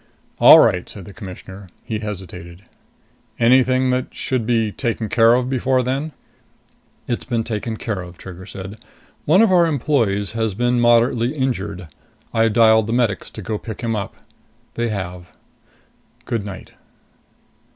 "All right," said the Commissioner. He hesitated. "Anything that should be taken care of before then?" "It's been taken care of," Trigger said. "One of our employees has been moderately injured. I dialed the medics to go pick him up. They have. Good night."